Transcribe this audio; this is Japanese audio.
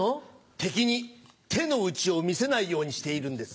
敵に手の内を見せないようにしているんです。